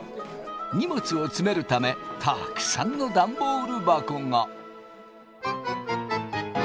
荷物を詰めるためたくさんのダンボール箱が。